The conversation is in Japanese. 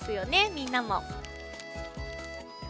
みんなも。